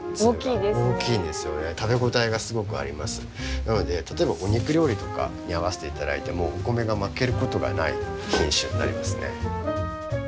なので例えばお肉料理とかに合わせて頂いてもお米が負けることがない品種になりますね。